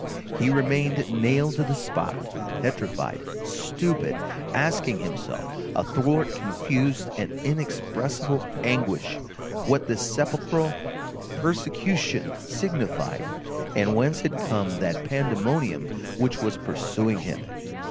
He remained nailed to the spot, petrified, stupid, asking himself, athwart confused and inexpressible anguish, what this sepulchral persecution signified, and whence had come that pandemonium which was pursuing him.